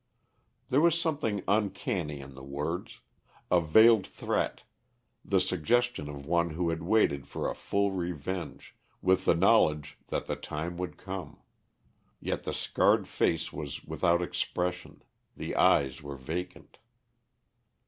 There was something uncanny in the words a veiled threat, the suggestion of one who had waited for a full revenge, with the knowledge that the time would come. Yet the scarred face was without expression; the eyes were vacant.